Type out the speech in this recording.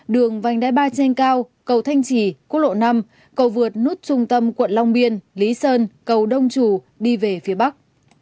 đường vành đai ba trên cao cầu thanh trì quốc lộ năm cầu vượt nút trung tâm quận long biên lý sơn cầu đông trù đi về phía bắc